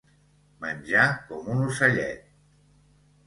Menjar com un ocellet.